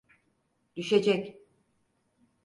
Düşecek.